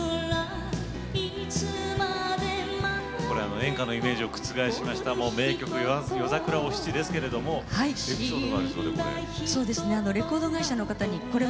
演歌のイメージを覆しました名曲「夜桜お七」ですけどもエピソードがあるそうで。